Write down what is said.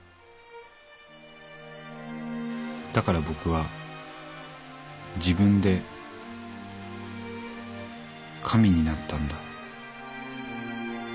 「だから僕は自分で神になったんだ」